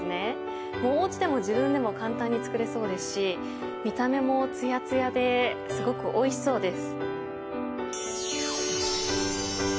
おうちでも自分でも簡単に作れそうですし見た目も艶々ですごくおいしそうです。